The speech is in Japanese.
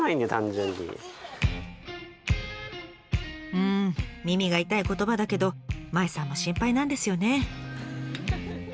うん耳が痛い言葉だけど麻衣さんも心配なんですよね。